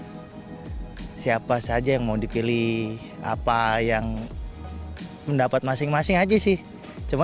siapa saja yang mau dipilih apa yang mendapat masing masing aja sih cuma